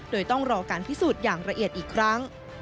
โดยต้องรอการพิสูจน์อย่างละเอียดอีกครั้ง